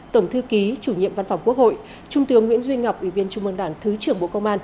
tổng thư ký chủ nhiệm văn phòng quốc hội trung tướng nguyễn duy ngọc ủy viên trung mương đảng thứ trưởng bộ công an